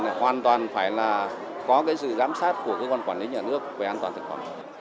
hoàn toàn phải có sự giám sát của cơ quan quản lý nhà nước về an toàn thực phẩm